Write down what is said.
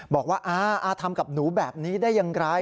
บอกว่าอาทำกับหนูแบบนี้ได้อย่างไร